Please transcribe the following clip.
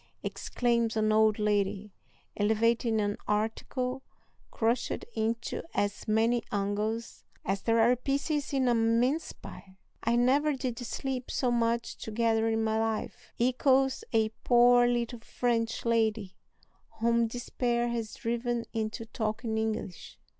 exclaims an old lady, elevating an article crushed into as many angles as there are pieces in a mince pie. "I never did sleep so much together in my life," echoes a poor little French lady, whom despair has driven into talking English.